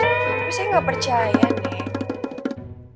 tapi saya gak percaya nek